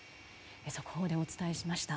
速報でお伝えしました。